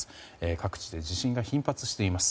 各地で地震が頻発しています。